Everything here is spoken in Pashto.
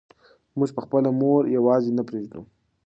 موږ به خپله مور یوازې نه پرېږدو.